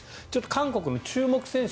韓国の注目選手